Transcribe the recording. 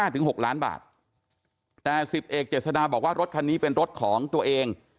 ถึง๖ล้านบาทแต่๑๐เอกเจษฎาบอกว่ารถคันนี้เป็นรถของตัวเอง